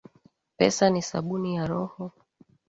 Pesa ni sabuni ya roho